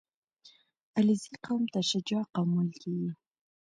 • علیزي قوم ته شجاع قوم ویل کېږي.